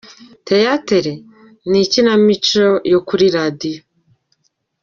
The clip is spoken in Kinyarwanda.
Teyatere” : Ikinamico yo kuri radio.